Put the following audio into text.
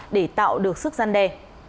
để tạo được sức gian đề